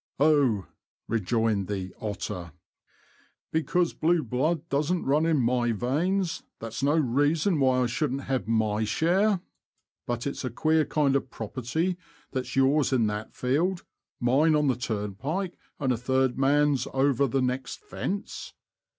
''Oh!" rejoined the " Otter," " because blue blood doesn't run 144 ^^'^^ Confessions of a T^oacher. in my veins that's no reason why I shouldn't have my share. But its a queer kind of property that's yours in that field, mine on the turnpike, and a third man's over the next fence."